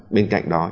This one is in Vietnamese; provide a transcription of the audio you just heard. bên cạnh đó